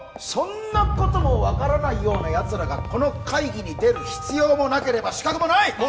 そんなことも分からないようなヤツらがこの会議に出る必要もなければ資格もない！